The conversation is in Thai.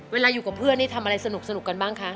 เวลาอยู่กับเพื่อนนี่ทำอะไรสนุกกันบ้างคะ